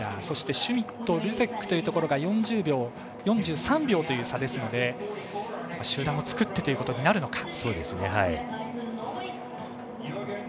そしてシュミット、ルゼックというところが４０秒、４３秒という差ですので集団を作ってということになるのか。